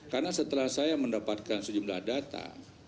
karena setelah saya mendapatkan sejumlah data